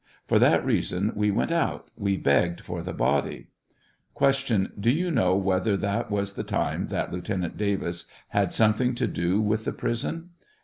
For that reason we went out ; we begged for the body. Q. Do you know whether that was the time that Lieutenant Davis had something to do what the prison